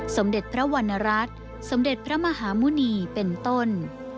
สมเด็จพระวรรณรัฐสมเด็จพระมหาหมุณีเป็นต้น